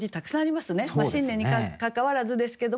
まあ新年にかかわらずですけども。